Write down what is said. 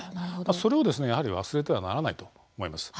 それを、やはり忘れてはならないと思います。